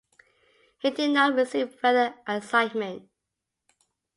He did not receive a further assignment.